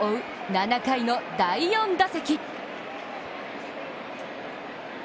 ７回の第４打席。